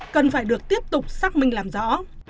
cần phải được tiếp tục xác minh làm rõ